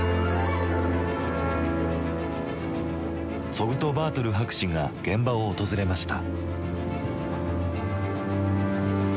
ツォグトバートル博士が現場を訪れました。